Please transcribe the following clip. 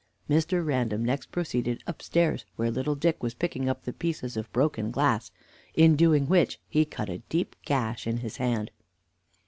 Mr. Random next proceeded upstairs, where little Dick was picking up the pieces of broken glass, in doing which he cut a deep gash in his hand.